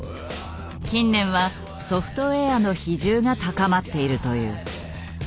近年はソフトウェアの比重が高まっているという。